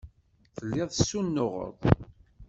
Telliḍ tessunuɣeḍ.